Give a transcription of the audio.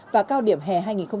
và cao điểm hè hai nghìn hai mươi ba